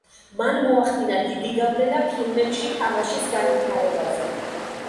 მან მოახდინა დიდი გავლენა ფილმებში თამაშის განვითარებაზე.